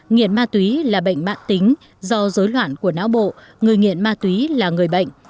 nghiện ma túy là bệnh mạng tính do dối loạn của não bộ người nghiện ma túy là người bệnh